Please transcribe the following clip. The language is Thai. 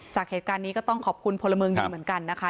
จากเหตุการณ์นี้ก็ต้องขอบคุณพลเมืองดีเหมือนกันนะคะ